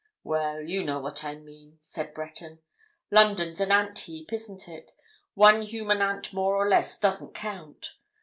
"Well, you know what I mean," said Breton. "London's an ant heap, isn't it? One human ant more or less doesn't count.